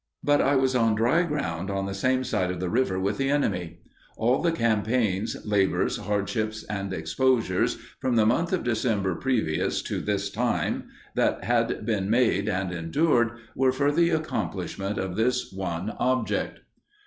But I was on dry ground on the same side of the river with the enemy. All the campaigns, labors, hardships, and exposures, from the month of December previous to this time, that had been made and endured, were for the accomplishment of this one object.